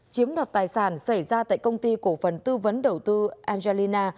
chiếm đoạt tài sản xảy ra tại công ty cổ phần tư vấn đầu tư angelina